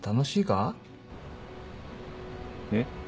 えっ？